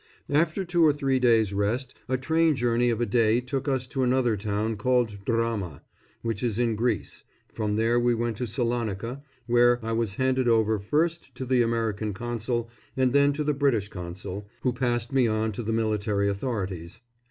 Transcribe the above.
After two or three days' rest a train journey of a day took us to another town called Drama, which is in Greece; from there we went to Salonica, where 1 was handed over first to the American Consul and then to the British Consul, who passed me on to the military authorities.